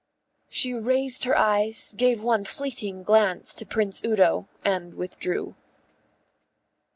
She raised her eyes, gave one fleeting glance to Prince Udo, and withdrew.